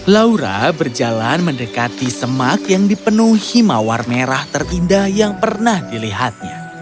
laura berjalan mendekati semak yang dipenuhi mawar merah terindah yang pernah dilihatnya